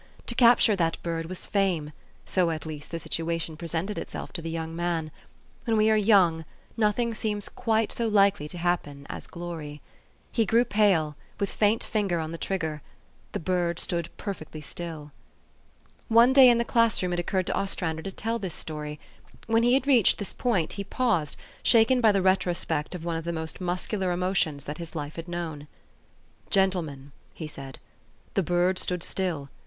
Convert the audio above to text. To capture that bird was fame : so at least the situa tion presented itself to the young man. When we are 3 r oung, nothing seems quite so likely to happen as glory. He grew pale, with faint finger on the trigger. The bird stood perfectly still. One day in the class room it occurred to Ostran der to tell this story. When he had reached this point he paused, shaken by the retrospect of one of the most muscular emotions that his life had known. " Gentlemen," he said, " the bird stood still.